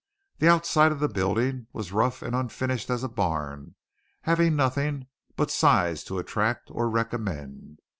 The outside of the building was rough and unfinished as a barn, having nothing but size to attract or recommend.